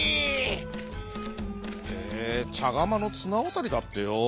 「へえちゃがまのつなわたりだってよ」。